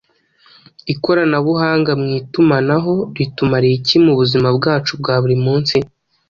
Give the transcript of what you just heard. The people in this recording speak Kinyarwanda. Ikoranabuhanga mu itumanaho ritumariye iki mu buzima bwacu bwa buri munsi?